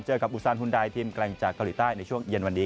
เจอกับอุซานฮุนไดทีมแกร่งจากเกาหลีใต้ในช่วงเย็นวันนี้